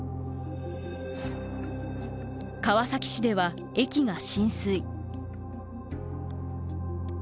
川崎市では駅が浸水。